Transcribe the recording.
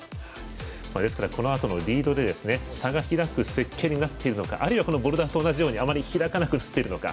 ですから、このあとのリードで差が開く設計になっているのかあるいは、ボルダーと同じようにあまり開かなくなっているのか。